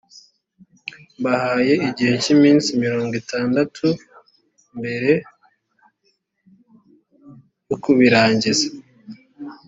mbahaye igihe cy iminsi mirongo itandatu mbere yo kubirangiza